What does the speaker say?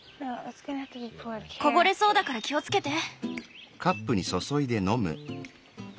こぼれそうだから気をつけて。